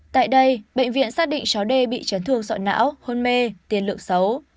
tại đây bệnh viện xác định cháu d bị chán thương sọ não hôn mê tiền lượng xấu